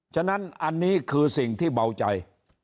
ฉะนั้นอันนี้คือสิ่งที่เบาใจ